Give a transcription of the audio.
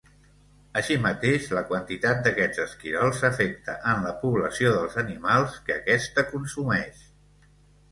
Així mateix, la quantitat d'aquests esquirols afecta en la població dels animals que aquesta consumeix.